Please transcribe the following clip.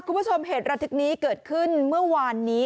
คุณผู้ชมเหตุระทึกนี้เกิดขึ้นเมื่อวานนี้